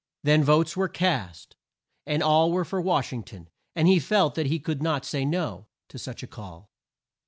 Then votes were cast, and all were for Wash ing ton, and he felt that he could not say No to such a call.